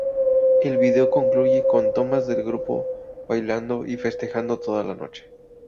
El video concluye con tomas del grupo bailando y festejando toda la noche.